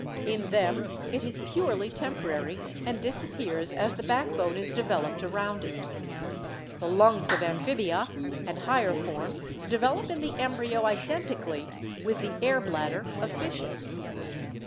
In them it is purely temporary and disappears as the backbone is developed around it. The lungs of amphibia and higher forms develop in the embryo iden tically with the air bladder of fishes.